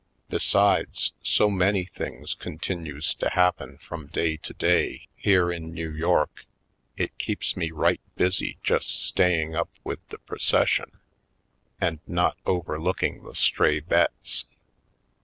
Besides, so many things continues to happen from day to day here in New York it keeps me right busy just staying up with the proces sion and not overlooking the stray 'bets.